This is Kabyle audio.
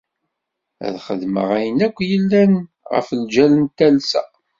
Ad xedmeɣ ayen akk yellan ɣef lǧal n talsa.